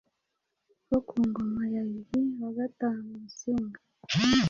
wo ku ngoma ya Yuhi wagatanu Musinga.